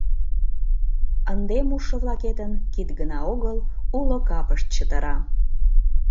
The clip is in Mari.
Ынде мушшо-влакетын кид гына огыл, уло капышт чытыра.